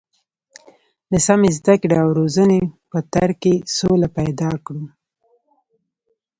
د سمې زده کړې او روزنې په تر کې سوله پیدا کړو.